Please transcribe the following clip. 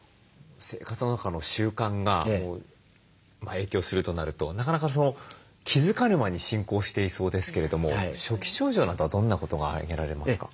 生活の中の習慣が影響するとなるとなかなか気付かぬ間に進行していそうですけれども初期症状などはどんなことが挙げられますか？